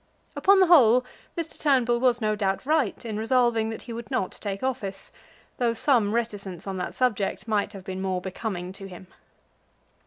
Upon the whole, Mr. Turnbull was no doubt right in resolving that he would not take office, though some reticence on that subject might have been more becoming to him.